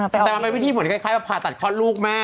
แต่ทำในวิธีเหมือนคล้ายว่าผ่าตัดคลอดลูกแม่